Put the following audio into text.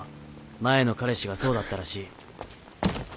前の彼氏がそうだったらしい。